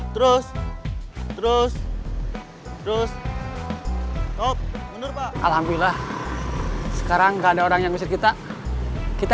terus terus terus terus alhamdulillah sekarang ada orang yang bisa kita kita